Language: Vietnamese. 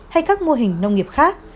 hay các mô hình nông nghiệp khác